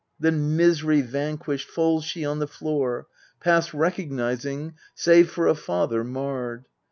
Then misery vanquished falls she on the floor, Past recognising, save for a father, marred.